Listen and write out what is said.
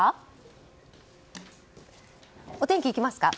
お天気いきますか？